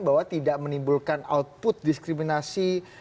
bahwa tidak menimbulkan output diskriminasi